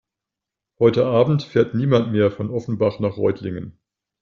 Heute Abend fährt niemand mehr von Offenbach nach Reutlingen